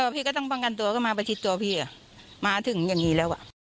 พี่ก็ต้องป้องกันตัวก็มาประชิดตัวพี่มาถึงอย่างนี้แล้ว